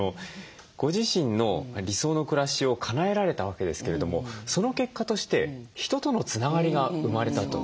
ご自身の理想の暮らしをかなえられたわけですけれどもその結果として人とのつながりが生まれたと。